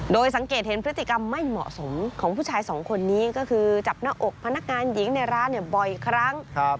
โดยสังเกตเห็นพฤติกรรมไม่เหมาะสมของผู้ชายสองคนนี้ก็คือจับหน้าอกพนักงานหญิงในร้านบ่อยครั้ง